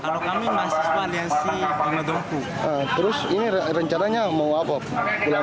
tapi tahu taunya ternyata tiketnya masih ada di calo